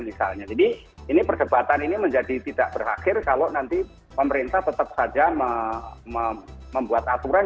misalnya jadi ini perdebatan ini menjadi tidak berakhir kalau nanti pemerintah tetap saja membuat aturan